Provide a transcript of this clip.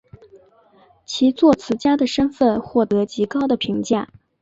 其作词家的身份获得极高的评价。